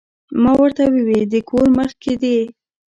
ما ورته ووې د کور مخ کښې دې